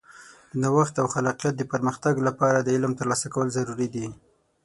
د نوښت او خلاقیت د پرمختګ لپاره د علم ترلاسه کول ضروري دي.